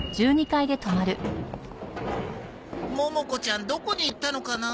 モモ子ちゃんどこに行ったのかなあ？